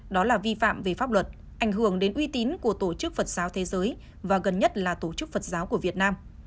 đó là vi phạm về pháp luật ảnh hưởng đến uy tín của tổ chức phật giáo thế giới và gần nhất là tổ chức phật giáo của việt nam